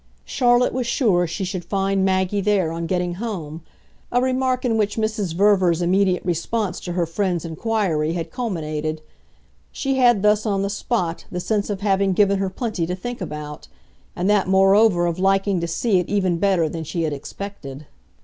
Charlotte was sure she should find Maggie there on getting home a remark in which Mrs. Verver's immediate response to her friend's inquiry had culminated. She had thus, on the spot, the sense of having given her plenty to think about, and that moreover of liking to see it even better than she had expected.